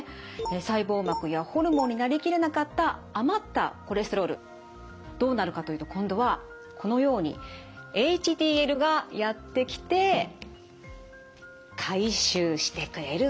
細胞膜やホルモンになりきれなかった余ったコレステロールどうなるかというと今度はこのようにＨＤＬがやって来て回収してくれるわけです。